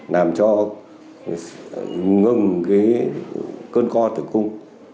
làm cho ngừng cái cơn co tục cung